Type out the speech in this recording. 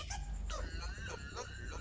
iya itu bagus